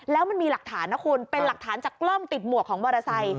แล้วมันมีหลักฐานนะคุณเป็นหลักฐานจากกล้องติดหมวกของมอเตอร์ไซค